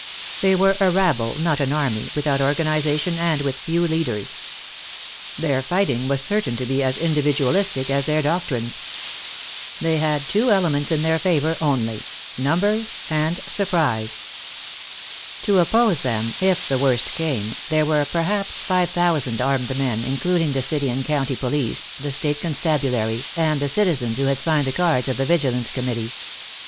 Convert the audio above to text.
They were a rabble, not an army, without organization and with few leaders. Their fighting was certain to be as individualistic as their doctrines. They had two elements in their favor only, numbers and surprise. To oppose them, if the worst came, there were perhaps five thousand armed men, including the city and county police, the state constabulary, and the citizens who had signed the cards of the Vigilance Committee.